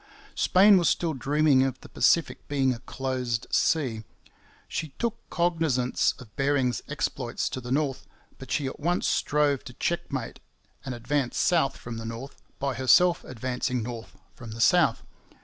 Spain was still dreaming of the Pacific being 'a closed sea.' She took cognizance of Bering's exploits to the north, but she at once strove to checkmate an advance south from the north, by herself advancing north from the south.